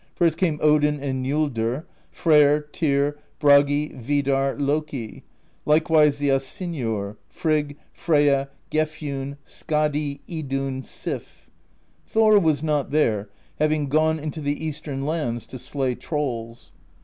First came Odin and Njordr, Freyr, Tyr, Bragi, Vidarr, Loki; likewise the Asynjur: Frigg, Freyja, Gefjun, Skadi, Idunn, Sif. Thor was not there, having gone into the eastern lands to slay trolls.